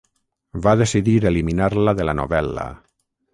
Va decidir eliminar-la de la novel·la.